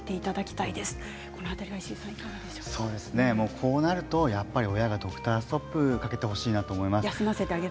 こうなるとやっぱり親がドクターストップかけてほしいなと思います。